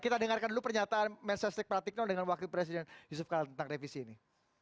kita dengarkan dulu pernyataan mensesnik pratikno dengan wakil presiden yusuf kalantang revisi ini